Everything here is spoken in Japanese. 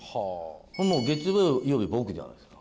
月曜日僕じゃないですか。